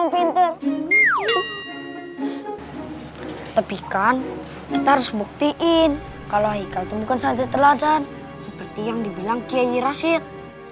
pinter tapi kan kita harus buktiin kalau ikat bukan santet ladang seperti yang dibilang kiyirashid